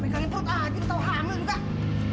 berikannya perut aja lo tau hamil gak